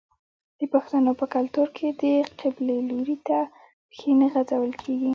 د پښتنو په کلتور کې د قبلې لوري ته پښې نه غځول کیږي.